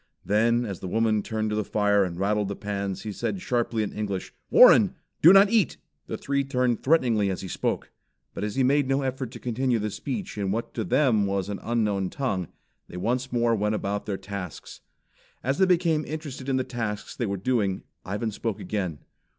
Then as the woman turned to the fire and rattled the pans, he said sharply in English: "Warren, do not eat!" The three turned threateningly as he spoke, but as he made no effort to continue the speech in what was to them an unknown tongue, they once more went about their tasks. As they became interested in the tasks they were doing, Ivan spoke again.